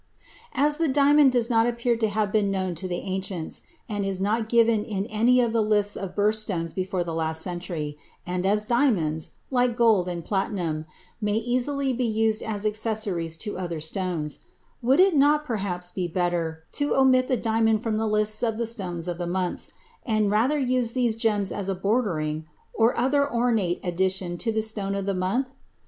As the diamond does not appear to have been known to the ancients and is not given in any of the lists of birth stones before the last century, and as diamonds, like gold and platinum, may easily be used as accessories to other stones, would it not perhaps be better to omit the diamond from the list of the stones of the months, and rather use these gems as a bordering or other ornate addition to the stone of the month?